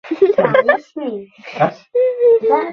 এতে অনেক সময় ফোনে অতিরিক্ত সময় ধরে চার্জ দেওয়া হয়ে যায়।